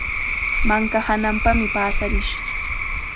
Manka hananpami paasarish.